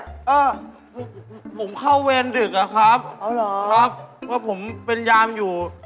อ่าผมเข้าเวรดึกอ่ะครับครับผมเป็นยามอยู่